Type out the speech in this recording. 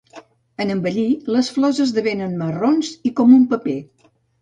En envellir, les flors esdevenen marrons i com un paper.